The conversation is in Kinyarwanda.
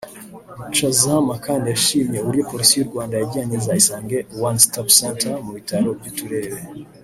Chazama kandi yashimye uburyo Polisi y’u Rwanda yajyanye za Isange One Stop Center mu bitaro by’uturere